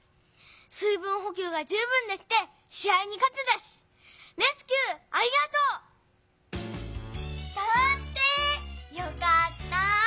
水分ほきゅうが十分できてし合にかてたしレスキューありがとう！だって！よかった！